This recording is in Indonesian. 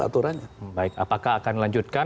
aturannya baik apakah akan dilanjutkan